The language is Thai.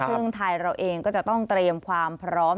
ซึ่งไทยเราเองก็จะต้องเตรียมความพร้อม